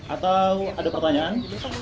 atau ada pertanyaan